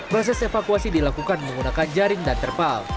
proses evakuasi dilakukan menggunakan jaring dan terpal